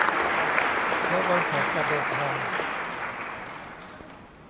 และวางแผนการเดินทาง